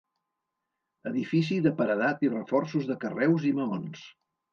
Edifici de paredat i reforços de carreus i maons.